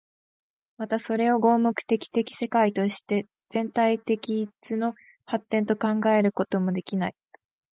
またそれを合目的的世界として全体的一の発展と考えることもできない。